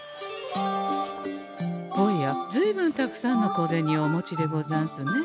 おやずいぶんたくさんのこぜにをお持ちでござんすね。